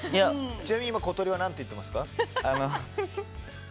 ちなみに今、小鳥は何て言っていますか？